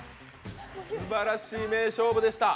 すばらしい名勝負でした。